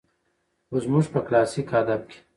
خو زموږ په کلاسيک ادب کې